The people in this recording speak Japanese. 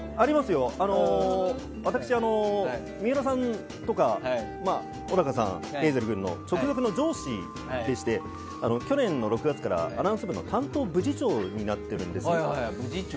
私、水卜さんとか小高さんやヘイゼル君の直属の上司でして去年の６月からアナウンス部の担当部次長になってるんですね。